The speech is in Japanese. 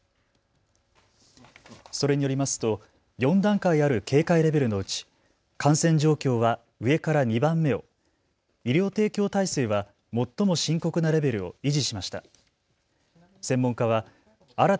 それによりますと４段階ある警戒レベルのうち感染状況は上から２番目を、医療提供体制は最も深刻なレベルを維持しました。